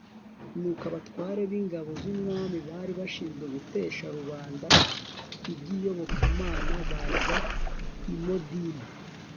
nuko abatware b'ingabo z'umwami bari bashinzwe gutesha rubanda iby'iyobokamana, baza i modini